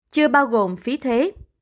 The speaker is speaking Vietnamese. chưa bao gồm phí thuế